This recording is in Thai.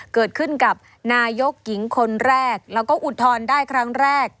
เกิดขึ้นกับนายกหญิงคนแรกแล้วก็อุทธรณ์ได้ครั้งแรก